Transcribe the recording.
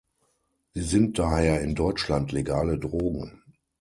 Sie sind daher in Deutschland legale Drogen.